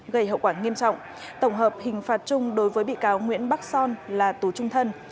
gây hậu quả nghiêm trọng tổng hợp hình phạt chung đối với bị cáo nguyễn bắc son là tù trung thân